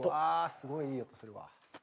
すごいいい音するわ。